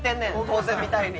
当然みたいに。